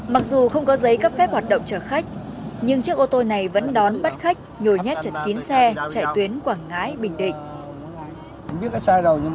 mặc dù không có giấy cấp phép hoạt động chở khách nhưng chiếc ô tô này vẫn đón bắt khách nhồi nhét chật kín xe chạy tuyến quảng ngãi bình định